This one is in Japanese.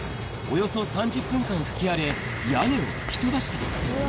およそ３０分間、吹き荒れ、屋根を吹き飛ばした。